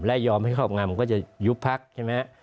และยอมให้ครอบงำก็จะยุบพักใช่ไหม